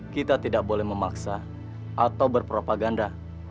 kita tidak boleh memaksa atau berpropaganda